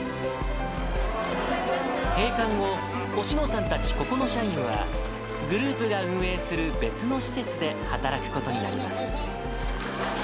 閉館後、おしのさんたち、ここの社員は、グループが運営する別の施設で働くことになります。